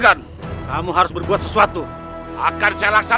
aku putri dari kegeden tapar raja